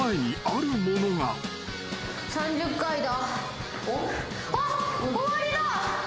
３０階だ。